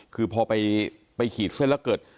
คือพอไปขีดเส้นแล้วเกิด